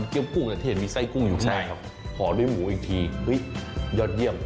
เกี้ยวกุ้งแต่ที่เห็นมีไส้กุ้งอยู่ข้างในครับขอด้วยหมูอีกทียอดเยี่ยม